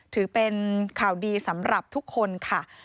ถือเป็นข่าวดีสำหรับทุกคนค่ะ